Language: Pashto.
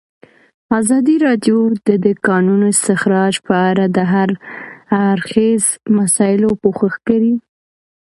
ازادي راډیو د د کانونو استخراج په اړه د هر اړخیزو مسایلو پوښښ کړی.